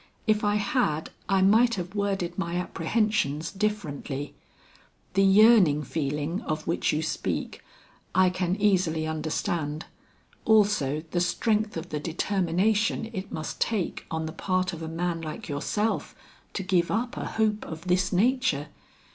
If I had I might have worded my apprehensions differently. The yearning feeling of which you speak, I can easily understand, also the strength of the determination it must take on the part of a man like yourself, to give up a hope of this nature.